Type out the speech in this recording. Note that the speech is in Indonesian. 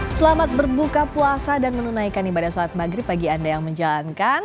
selamat berbuka puasa dan menunaikan ibadah sholat maghrib bagi anda yang menjalankan